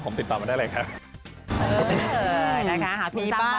ผมติดต่อมาได้เลยครับ